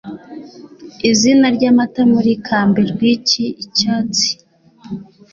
Izina ry'Amata Muri Kamberwick Icyatsi